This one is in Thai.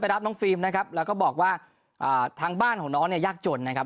รับน้องฟิล์มนะครับแล้วก็บอกว่าอ่าทางบ้านของน้องเนี่ยยากจนนะครับ